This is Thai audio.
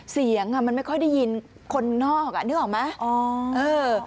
เสียงอ่ะมันไม่ค่อยได้ยินคนนอกอ่ะนึกออกไหมอ๋อเออ